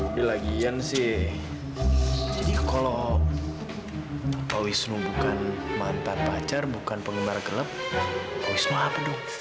berantakan ini kau mah